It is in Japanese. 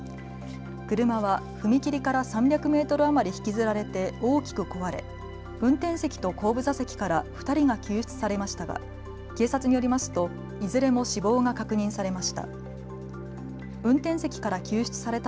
車は踏切から３００メートル余り引きずられて大きく壊れ運転席と後部座席から２人が救出されましたが警察によりますといずれも死亡が確認されました。